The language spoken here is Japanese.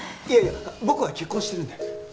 いやいや僕は結婚してるんで！